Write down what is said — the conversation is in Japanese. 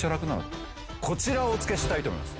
こちらをお付けしたいと思います。